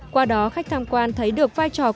qua đó khách tham quan thấy được vai trò quan trọng